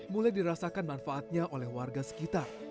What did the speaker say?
mulai dirasakan manfaatnya oleh warga sekitar